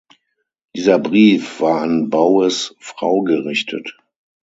Dieser Brief war an Bowes’ Frau gerichtet.